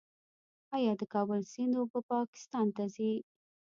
آیا د کابل سیند اوبه پاکستان ته ځي؟